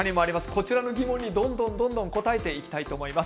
こちらの疑問にどんどん答えていきたいと思います。